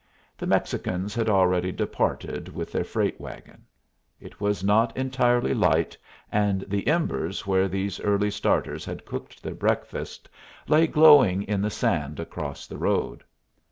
The Mexicans had already departed with their freight wagon. It was not entirely light, and the embers where these early starters had cooked their breakfast lay glowing in the sand across the road.